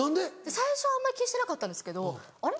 最初はあんまり気にしてなかったんですけどあれ？